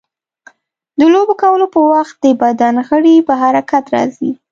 د لوبو کولو په وخت د بدن غړي په حرکت راځي.